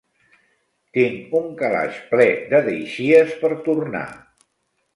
Tinc un calaix ple de deixies per tornar.